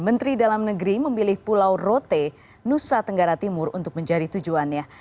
menteri dalam negeri memilih pulau rote nusa tenggara timur untuk menjadi tujuannya